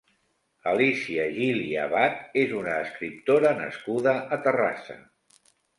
Alícia Gili Abad és una escriptora nascuda a Terrassa.